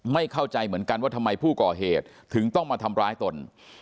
ไม่เข้าใจเหมือนกันว่าทำไมผู้ก่อเหตุถึงต้องมาทำร้ายตน